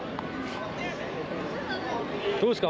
どうですか？